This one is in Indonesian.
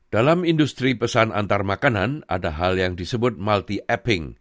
dalam industri pesan antar makanan ada hal yang disebut multi apping